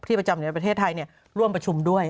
ประจำในประเทศไทยร่วมประชุมด้วย